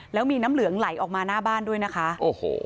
แล้วมีน้ำเหลืองไหลออกมาหน้าบ้านด้วยนะคะโอ้โห